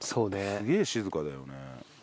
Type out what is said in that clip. すげえ静かだよね。